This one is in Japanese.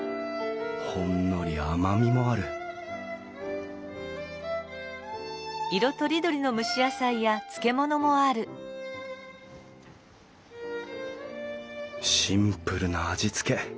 ほんのり甘みもあるシンプルな味つけ。